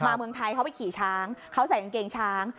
เมืองไทยเขาไปขี่ช้างเขาใส่กางเกงช้าง